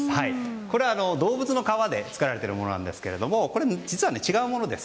これは動物の皮で作られているものなんですが実は違うものです。